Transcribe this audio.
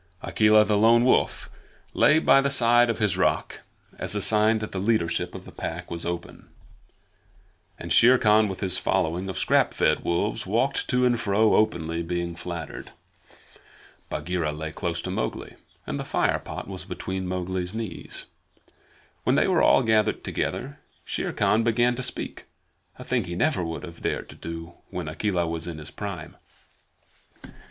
Akela the Lone Wolf lay by the side of his rock as a sign that the leadership of the Pack was open, and Shere Khan with his following of scrap fed wolves walked to and fro openly being flattered. Bagheera lay close to Mowgli, and the fire pot was between Mowgli's knees. When they were all gathered together, Shere Khan began to speak a thing he would never have dared to do when Akela was in his prime.